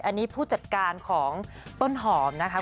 อันนี้ผู้จัดการของต้นหอมนะคะ